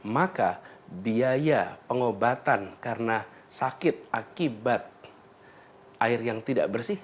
maka biaya pengobatan karena sakit akibat air yang tidak bersih